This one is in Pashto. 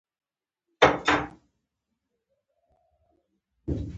ښار مېشتو وګړو ته د باران د اوبو را ټول خورا اقتصادي اغېزمنتیا لري.